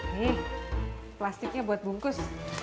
nih plastiknya buat bungkus